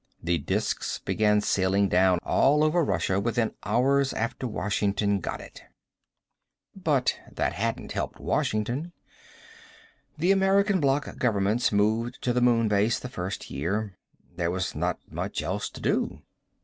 The discs began sailing down all over Russia within hours after Washington got it. But that hadn't helped Washington. The American bloc governments moved to the Moon Base the first year. There was not much else to do.